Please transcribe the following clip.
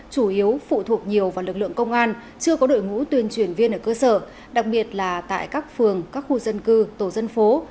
chủ yếu phụ thuộc nhiều vào lực lượng công an chưa có đội ngũ tuyên truyền viên ở cơ sở đặc biệt là tại các phường các khu dân cư tổ dân phố